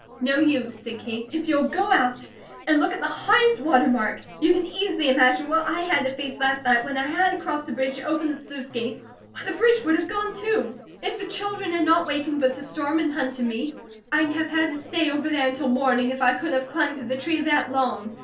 "No use!" said Kate. "If you go out and look at the highest water mark, you can easily imagine what I had to face last night when I had to cross the bridge to open the sluice gate, or the bridge would have gone, too. If the children had not wakened with the storm, and hunted me, I'd have had to stay over there until morning, if I could have clung to the tree that long.